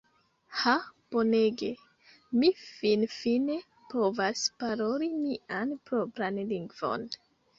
"Ha bonege! Mi finfine povas paroli mian propran lingvon!"